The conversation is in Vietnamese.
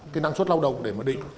cái năng suất lao động để mà định